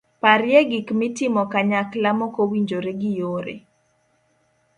parye gik mitimo kanyakla mokowinjre gi yore